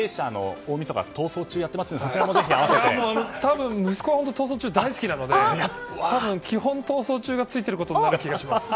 大好きなので多分、基本「逃走中」がついていることになる気がします。